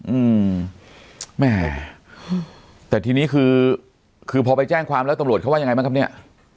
อืมแม่แต่ทีนี้คือคือพอไปแจ้งความแล้วตำรวจเขาว่ายังไงบ้างครับเนี้ย